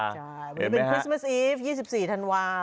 วันนี้เป็นคริสต์มัสอีฟยี่สิบสี่ธรรมาน